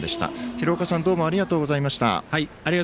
廣岡さんどうも、ありがとうございました。